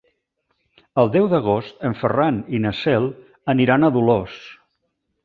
El deu d'agost en Ferran i na Cel aniran a Dolors.